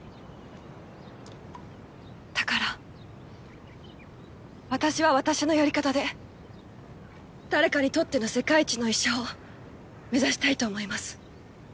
だから私は私のやり方で誰かにとっての世界一の医者を目指したいと思います。